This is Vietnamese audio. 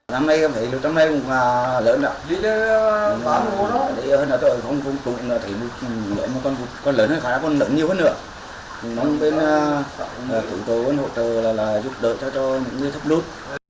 trong ngày hôm nay cũng là lớn lắm còn lớn nhiều hơn nữa chúng tôi vẫn hỗ trợ là giúp đỡ cho những người thấp lụt